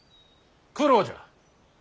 九郎じゃ。